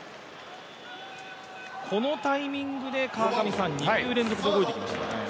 このタイミングで２球連続で動いてきましたね。